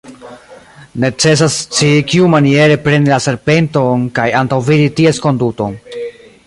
Necesas scii kiumaniere preni la serpenton kaj antaŭvidi ties konduton.